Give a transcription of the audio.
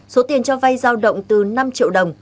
số tiền cho vay giao động từ năm triệu đồng